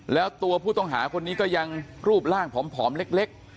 แล้วตัวผู้ต้องหาคนนี้ก็ยังรูปร่างผอมเล็ก